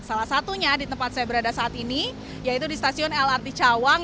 salah satunya di tempat saya berada saat ini yaitu di stasiun lrt cawang